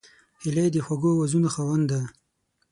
هیلۍ د خوږو آوازونو خاوند ده